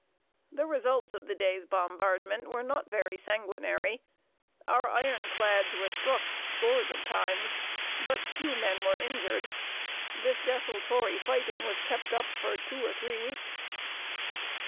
The results of the day's bombardment were not very sanguinary. Our iron clads were struck scores of times, but few men were injured. This desultory fighting was kept up for two or three weeks.